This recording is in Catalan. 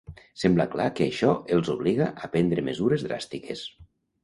Sembla clar que això els obliga a prendre mesures dràstiques.